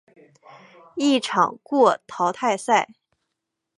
一场过淘汰赛。